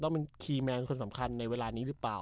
ต้องเป็นคีย์แมนคนสำคัญในเวลานี้หรือเปล่า